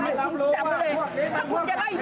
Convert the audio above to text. พี่ไม่สบายใจ